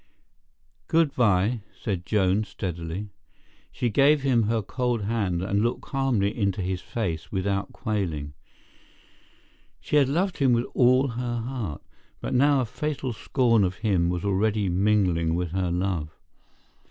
"Good bye," said Joan steadily. She gave him her cold hand and looked calmly into his face without quailing. She had loved him with all her heart, but now a fatal scorn of him was already mingling with her love.